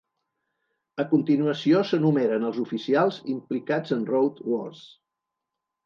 A continuació s'enumeren els oficials implicats en Road Wars.